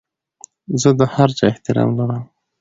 زه د هر چا احترام لرم.